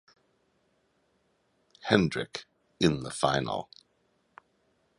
Hendrick in the final.